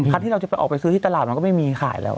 ที่เราจะไปออกไปซื้อที่ตลาดมันก็ไม่มีขายแล้ว